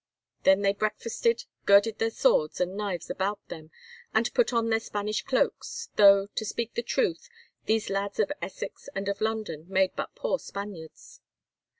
Then they breakfasted, girded their swords and knives about them, and put on their Spanish cloaks, though, to speak truth, these lads of Essex and of London made but poor Spaniards.